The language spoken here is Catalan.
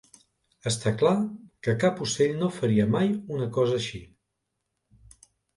Està clar que cap ocell no faria mai una cosa així.